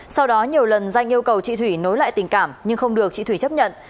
sau đó nhiều lần danh yêu cầu chị thủy nối lại tình cảm nhưng không được chị thủy chấp nhận